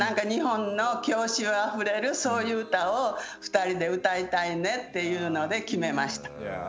日本の郷愁あふれるそういう歌を２人で歌いたいねっていうので決めました。